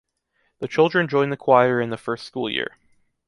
The children join the choir in the first school year.